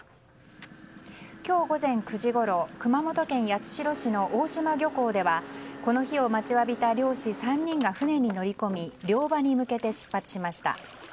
今日午前９時ごろ熊本県八代市の大島漁港ではこの日を待ちわびた漁師３人が船に乗り込み漁場に向けて出発しました。